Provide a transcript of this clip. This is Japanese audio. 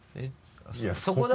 いやそこだ。